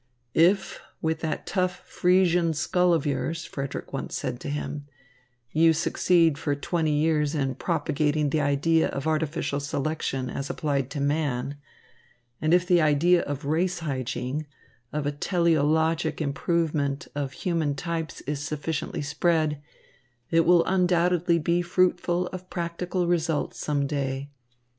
"If, with that tough Friesian skull of yours," Frederick once said to him, "you succeed for twenty years in propagating the idea of artificial selection as applied to man, and if the idea of race hygiene, of a teleologic improvement of human types is sufficiently spread, it will undoubtedly be fruitful of practical results some day.